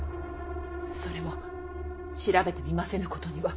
それも調べてみませぬことには。